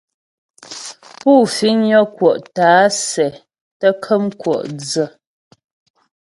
Pú fiŋnyə kwɔ' tǎ'a sɛ tə́ kəm kwɔ' dsə.